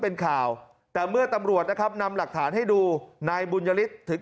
เป็นข่าวแต่เมื่อตำรวจนะครับนำหลักฐานให้ดูนายบุญยฤทธิ์ถึง